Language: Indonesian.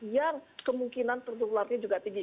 yang kemungkinan tertularnya juga tinggi